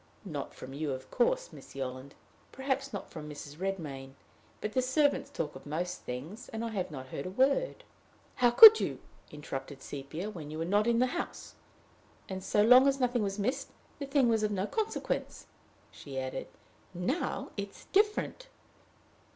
"Not from you, of course, Miss Yolland perhaps not from Mrs. Redmain; but the servants talk of most things, and I have not heard a word " "How could you," interrupted Sepia, "when you were not in the house? And, so long as nothing was missed, the thing was of no consequence," she added. "Now it is different."